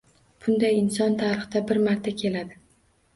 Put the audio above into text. Bunday inson tarixda bir marta keladi